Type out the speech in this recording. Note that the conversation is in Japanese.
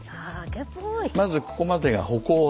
まずここまでが歩行ですよね。